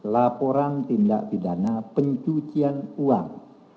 laporan tindak pidana pencucian uang